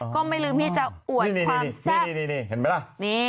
ก็ไม่ลืมที่จะอวดความแซ่บนี่เห็นไหมล่ะ